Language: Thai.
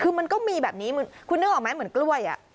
คือมันก็มีแบบนี้คุณนึกออกไหมเหมือนกล้วย